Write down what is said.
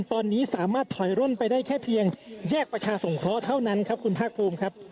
ตอนนี้สามารถถอยร่นไปได้แค่เพียงแยกประชาสงเคราะห์เท่านั้นครับคุณภาคภูมิครับ